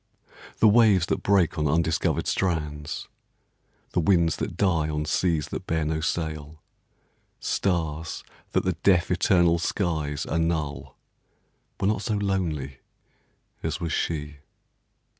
The waves that break on undiscovered strands, The winds that die on seas that bear no sail, Stars that the deaf, eternal skies annul, Were not so lonely as was she.